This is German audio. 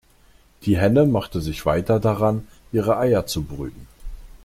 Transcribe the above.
Die Henne machte sich weiter daran, ihre Eier zu brüten.